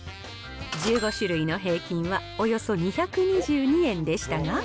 １５種類の平均はおよそ２２２円でしたが。